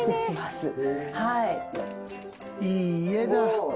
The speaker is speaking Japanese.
いい家だ。